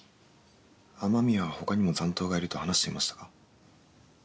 雨宮は他にも残党がいると話していましたか？